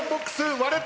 割れた。